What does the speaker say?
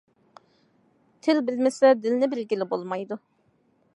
تىل بىلمىسە دىلنى بىلگىلى بولمايدۇ.